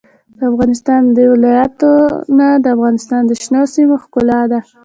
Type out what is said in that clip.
د افغانستان ولايتونه د افغانستان د شنو سیمو ښکلا ده.